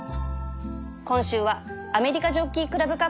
今週はアメリカジョッキークラブカップ